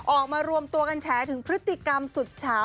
ออกมารวมตัวกันแฉถึงพฤติกรรมสุดเฉา